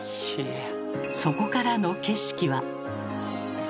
そこからの景色は。